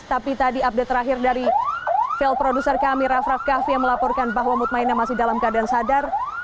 tapi tadi update terakhir dari vel producer kami rav rav kav yang melaporkan bahwa mutma inah masih dalam keadaan sadar